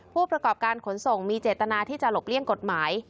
ผู้ประกอบการขนส่งมีเจตนาที่จะหลบเลี่ยงกฎหมาย